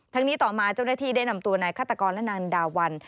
นี้ต่อมาเจ้าหน้าที่ได้นำตัวนายฆาตกรและนางดาวัน